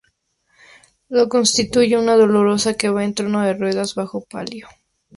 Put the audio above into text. Lo constituye una Dolorosa que va en trono de ruedas bajo palio.